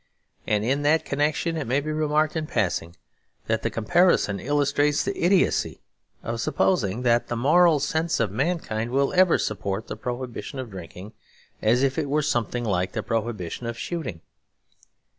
And in that connection, it may be remarked in passing that the comparison illustrates the idiocy of supposing that the moral sense of mankind will ever support the prohibition of drinking as if it were something like the prohibition of shooting.